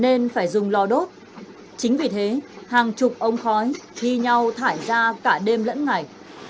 nguyên nhân phải dùng lò đốt chính vì thế hàng chục ông khói hy nhau thải ra cả đêm lẫn ngày